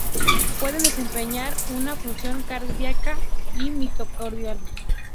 Pueden desempeñar una función cardíaca y mitocondrial.